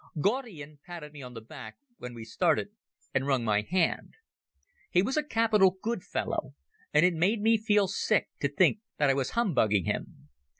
Gaudian patted me on the back when we started and wrung my hand. He was a capital good fellow, and it made me feel sick to think that I was humbugging him.